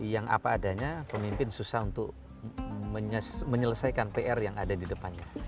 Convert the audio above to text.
yang apa adanya pemimpin susah untuk menyelesaikan pr yang ada di depannya